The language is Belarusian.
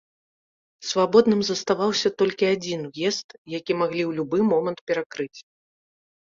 Свабодным заставаўся толькі адзін уезд, які маглі ў любы момант перакрыць.